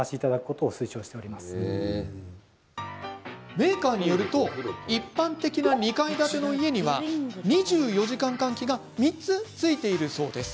メーカーによると一般的な２階建ての家には２４時間換気が３つ、ついているそうです。